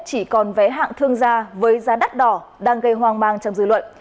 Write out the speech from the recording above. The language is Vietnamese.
chỉ còn vé hạng thương gia với giá đắt đỏ đang gây hoang mang trong dư luận